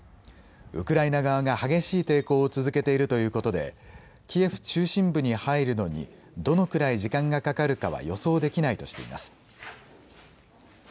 ウクライナ側が激しい抵抗を続けているということでキエフ中心部に入るのにどのくらい時間がかかるかは予想できないとしています。